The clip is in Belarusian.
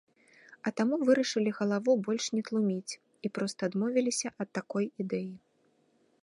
А таму вырашылі галаву больш не тлуміць і проста адмовіліся ад такой ідэі.